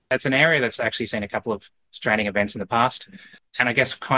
itu adalah area yang sebenarnya telah melihat beberapa acara penyerangan di masa lalu